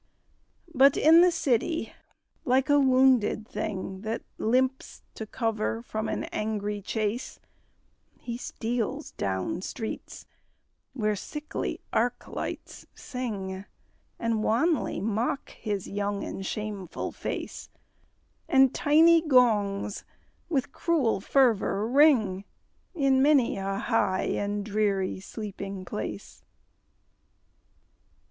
But in the city, like a wounded thing That limps to cover from the angry chase, He steals down streets where sickly arc lights sing, And wanly mock his young and shameful face; And tiny gongs with cruel fervor ring In many a high and dreary sleeping place.